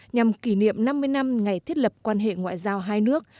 nhằm kỷ niệm năm mươi năm ngày thiết lập quan hệ ngoại giao hai nước